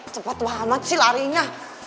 cepat banget sih larinya